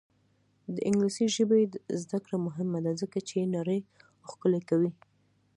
د انګلیسي ژبې زده کړه مهمه ده ځکه چې نړۍ ښکلې کوي.